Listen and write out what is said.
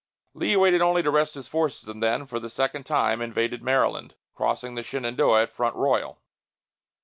Lee waited only to rest his forces and then, for the second time, invaded Maryland, crossing the Shenandoah at Front Royal.